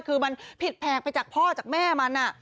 คือมันผิดแผกไปจากพ่อจากแม่มัน